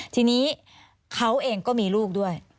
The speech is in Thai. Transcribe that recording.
ทีนี้เขาเองก็มีลูกด้วย